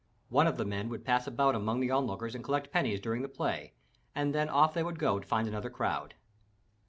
One of the men would pass about among the on lookers and collect pennies during the play, and then off they would go to find another crowd.